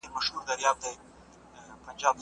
که ته مرسته غواړې نو زه به دي کمپیوټر ته فایلونه درکړم.